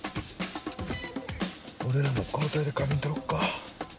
俺らも交代で仮眠取ろっか。